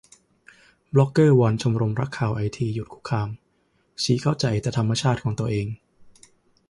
บล็อกเกอร์วอนชมรมรักข่าวไอทีหยุดคุกคาม ชี้เข้าใจแต่ธรรมชาติของตัวเอง